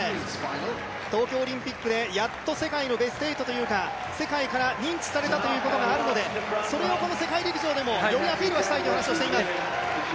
東京オリンピックでやっと世界のベスト８というか世界から認知されたということがあるのでそれをこの世界陸上でもよりアピールをしたいという話をしています。